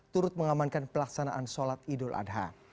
turut mengamankan pelaksanaan sholat idul adha